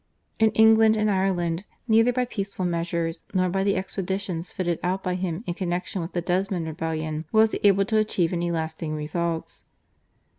In England and Ireland neither by peaceful measures nor by the expeditions fitted out by him in connexion with the Desmond Rebellion was he able to achieve any lasting results.